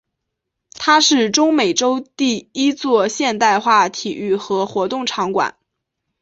它是中美洲第一座现代化体育和活动场馆。